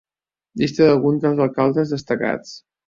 Llista d'alguns dels alcaldes destacats.